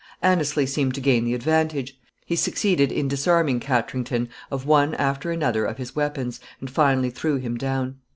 Anneslie seemed to gain the advantage. He succeeded in disarming Katrington of one after another of his weapons, and finally threw him down.